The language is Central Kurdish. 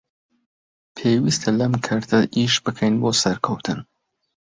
پێویستە لەم کەرتە ئیش بکەین بۆ سەرکەوتن